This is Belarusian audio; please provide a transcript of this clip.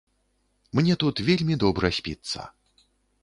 Мне тут вельмі добра спіцца.